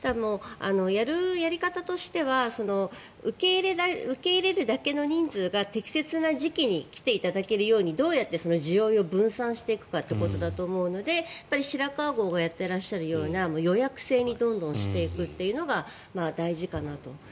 やるやり方としては受け入れるだけの人数が適切な時期に来ていただけるようにどうやって需要を分散していくかだと思うので白川郷がやっていらっしゃるような予約制にどんどんしていくっていうのが大事かなと。